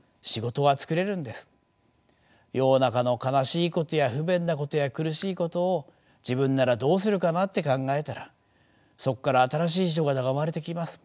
世の中の悲しいことや不便なことや苦しいことを自分ならどうするかなって考えたらそこから新しい仕事が生まれてきます。